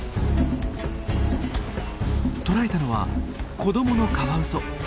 捕らえたのは子どものカワウソ！